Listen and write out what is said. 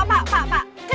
jangan cuma ketinggalan